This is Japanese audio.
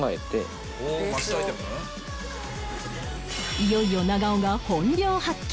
いよいよ長尾が本領発揮！